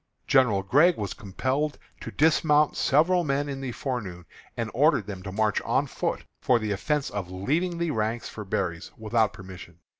General Gregg was compelled to dismount several men in the forenoon, and ordered them to march on foot, for the offence of leaving the ranks for berries, without permission.